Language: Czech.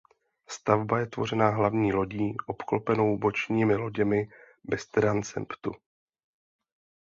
Stavba je tvořena hlavní lodí obklopenou bočními loděmi bez transeptu.